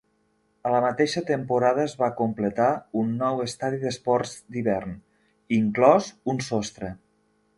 A la mateixa temporada es va completar un nou estadi d'esports d'hivern, inclòs un sostre.